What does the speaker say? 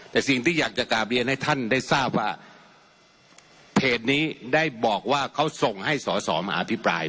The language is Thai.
แต่สิ่งที่อยากจะกลับเรียนให้ท่านได้ทราบว่าเพจนี้ได้บอกว่าเขาส่งให้สอสอมาอภิปราย